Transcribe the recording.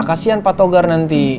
kasian patogar nanti